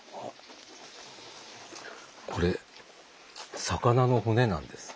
これ魚の骨なんです。